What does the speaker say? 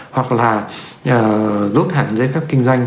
hoặc là rút hẳn giấy phép kinh doanh